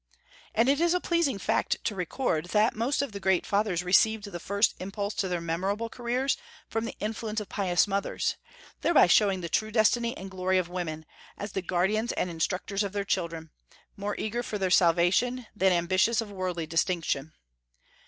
And it is a pleasing fact to record, that most of the great Fathers received the first impulse to their memorable careers from the influence of pious mothers; thereby showing the true destiny and glory of women, as the guardians and instructors of their children, more eager for their salvation than ambitious of worldly distinction.